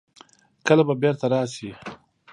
کله به بېرته راسي.